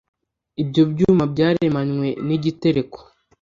ibyo byuma byaremanywe n’igitereko